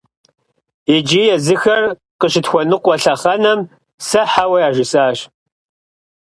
Иджы, езыхэр къыщытхуэныкъуэ лъэхъэнэм, сэ «хьэуэ» яжесӀащ!